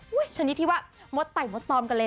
วุ้ยชนิดที่หมดไตก์หมดตอมกันเลย